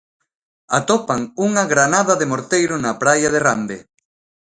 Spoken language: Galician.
Atopan unha granada de morteiro na praia de Rande.